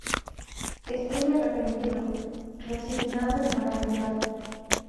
Estoy arrepentido, resignado y maravillado".